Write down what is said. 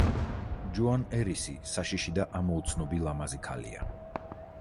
ჯოან ერისი საშიში და ამოუცნობი ლამაზი ქალია.